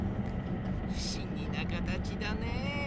ふしぎなかたちだね。